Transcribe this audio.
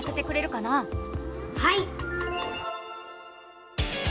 はい！